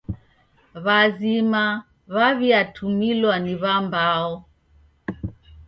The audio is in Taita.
W'azima w'aw'iatumilwa ni w'ambao.